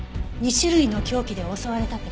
２種類の凶器で襲われたって事？